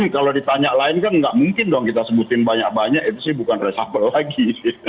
kalau ditanya lain kan nggak mungkin dong kita sebutin banyak banyak itu sih bukan resapel lagi